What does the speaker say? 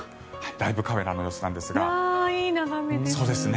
ライブカメラの様子なんですがいい眺めです。